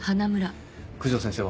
九条先生は？